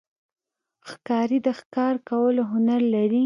ښکاري د ښکار کولو هنر لري.